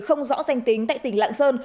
không rõ danh tính tại tỉnh lạng sơn